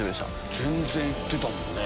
全然行ってたもんね。